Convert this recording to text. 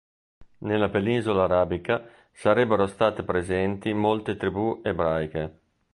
Nella Penisola arabica sarebbero state presenti molte tribù ebraiche.